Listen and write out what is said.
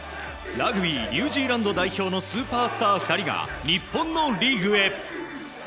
ラグビーニュージーランド代表のスーパースター２人が日本のリーグへ。